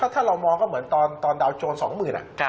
ถ้าเรามองก็เหมือนตอนดาวน์โจรส์๒๐๐๐๐นี่